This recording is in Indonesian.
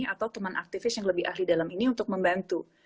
atau teman aktivis yang lebih ahli dalam ini untuk membantu